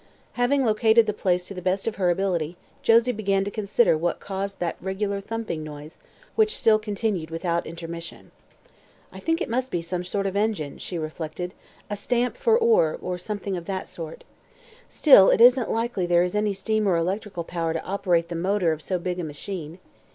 Having located the place to the best of her ability Josie began to consider what caused that regular, thumping noise, which still continued without intermission. "I think it must be some sort of an engine," she reflected; "a stamp for ore, or something of that sort. Still, it isn't likely there is any steam or electrical power to operate the motor of so big a machine.